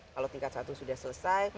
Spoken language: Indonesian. kalau tingkat satu sudah selesai